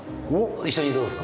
一緒にどうですか？